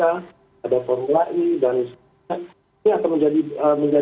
ada formula e dan lain sebagainya